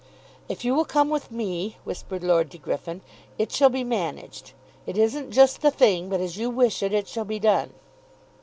"If you will come with me," whispered Lord De Griffin, "it shall be managed. It isn't just the thing, but as you wish it, it shall be done."